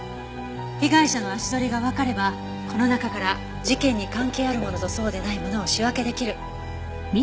被害者の足取りがわかればこの中から事件に関係あるものとそうでないものを仕分けできる。